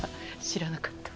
知らなかった。